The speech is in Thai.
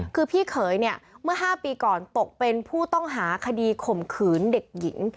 คือพี่เขยเนี่ยเมื่อ๕ปีก่อนตกเป็นผู้ต้องหาคดีข่มขืนเด็กหญิง